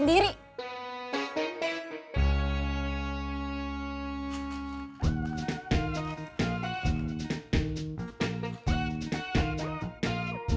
di duit ini saya punya kupun cuando